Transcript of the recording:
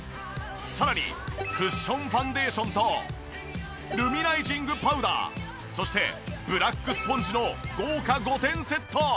さらにクッションファンデーションとルミナイジングパウダーそしてブラックスポンジの豪華５点セット。